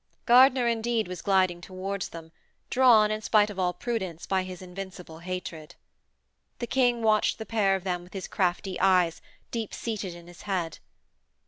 Gardiner, indeed, was gliding towards them, drawn, in spite of all prudence, by his invincible hatred. The King watched the pair of them with his crafty eyes, deep seated in his head.